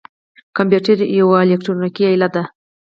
کمپیوټر یوه الکترونیکی آله ده